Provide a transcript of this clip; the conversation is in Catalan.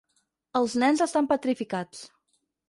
Els nens estan petrificats.